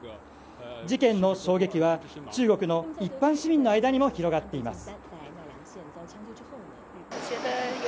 事件の衝撃は中国の一般市民の間にも広まっています。